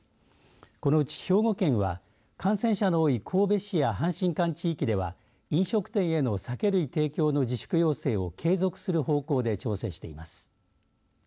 このうち、兵庫県は感染者の多い神戸市や阪神間地域では飲食店への酒類提供の自粛要請を継続する方向で調整しています。